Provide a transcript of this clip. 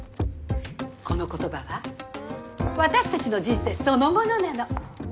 この言葉は私たちの人生そのものなの。